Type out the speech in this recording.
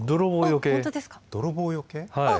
泥棒よけ。